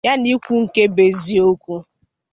ya na ikwu nke bụ eziokwu